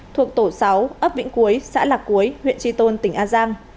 thuộc tổ sáu ấp vĩnh cuối xã lạc cuối huyện tri tôn tỉnh an giang